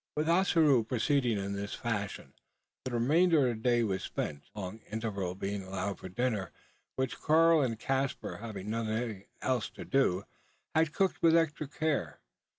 With Ossaroo proceeding in this fashion, the remainder of the day was spent a long interval being allowed for dinner; which Karl and Caspar, having nothing else to do, had cooked with extra care.